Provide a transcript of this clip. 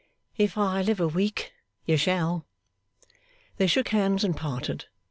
'If I live a week you shall.' They shook hands and parted.